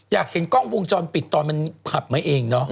อยากเห็นกล้องวงจรปิดตอนมันขับมาเองเนอะ